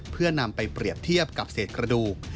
เพื่อนำไปเปรียบเทียบกับเศษกระดูก